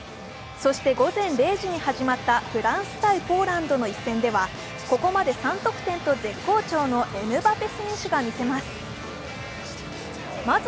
そして午前０時に始まったフランス×ポーランドの一戦ではここまで３得点と絶好調のエムバペ選手が見せます。